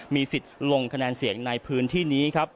มีสิทธิ์ลงคะแนนเสียงในพื้นที่นี้ครับ